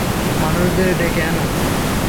মানুষদের ডেকে আনো।